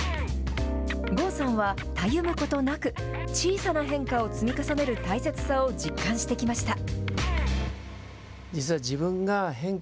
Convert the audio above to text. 郷さんはたゆむことなく、小さな変化を積み重ねる大切さを実感してきました。